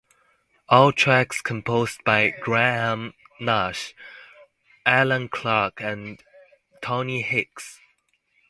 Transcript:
All tracks composed by Graham Nash, Allan Clarke and Tony Hicks.